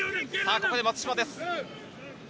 ここで松島です。